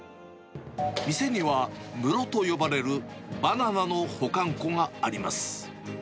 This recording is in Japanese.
店にはムロと呼ばれるバナナの保管庫があります。